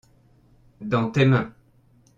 dans tes mains.